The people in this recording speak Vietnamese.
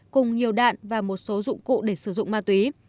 cùng nhiều đạn và một số dụng cụ để sử dụng ma túy